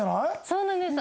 そうなんです。